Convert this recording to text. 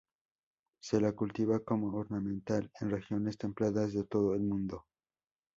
Se la cultiva como ornamental en regiones templadas de todo el mundo.